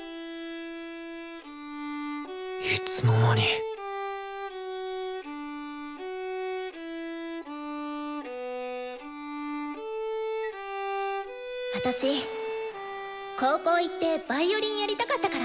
いつの間に私高校行ってヴァイオリンやりたかったから。